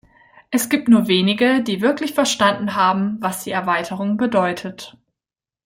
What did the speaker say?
Es gibt nur wenige, die wirklich verstanden haben, was die Erweiterung bedeutet.